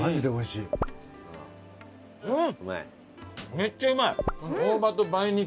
めっちゃうまい！